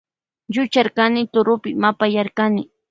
Llucharkani turupi mapayarkani.